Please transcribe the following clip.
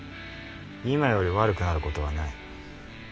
今より悪くなることはない。